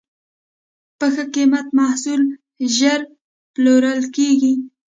په ښه قیمت محصول ژر پلورل کېږي.